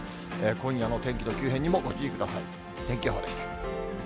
今夜の天気の急変にもご注意ください。